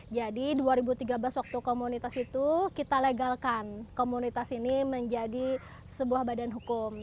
jadi dua ribu tiga belas waktu komunitas itu kita legalkan komunitas ini menjadi sebuah badan hukum